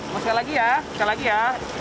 masih lagi ya masih lagi ya